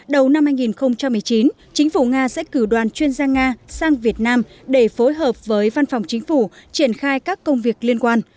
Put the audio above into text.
đầu năm hai nghìn một mươi chín chính phủ nga sẽ cử đoàn chuyên gia nga sang việt nam để phối hợp với văn phòng chính phủ triển khai các công việc liên quan